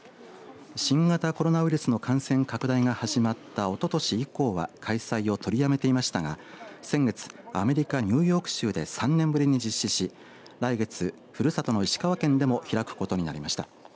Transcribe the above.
新型コロナウイルスの感染拡大が始まったおととし以降は開催を取りやめていましたが先月アメリカ、ニューヨーク州で３年ぶりに実施し来月、ふるさとの石川県でも開くことになりました。